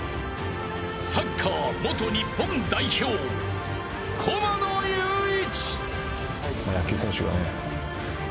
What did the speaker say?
サッカー元日本代表駒野友一。